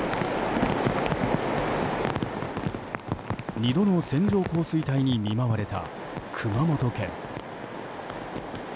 ２度の線状降水帯に見舞われた熊本県。